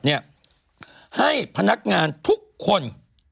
ให้พนักงานทุกคน